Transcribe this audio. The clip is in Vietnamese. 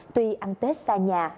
tuy ăn tết xa nhà